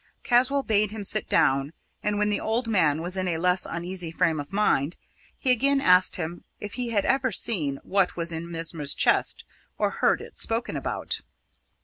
Caswall bade him sit down, and when the old man was in a less uneasy frame of mind, he again asked him if he had ever seen what was in Mesmer's chest or heard it spoken about.